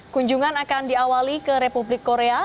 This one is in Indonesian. kunjungan akan diawali ke republik korea